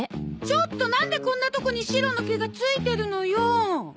ちょっとなんでこんなとこにシロの毛が付いてるのよ。